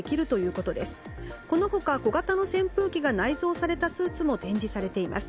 この他、小型の扇風機が内蔵されたスーツも展示されています。